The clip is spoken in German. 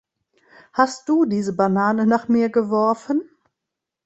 Hast du diese Banane nach mir geworfen?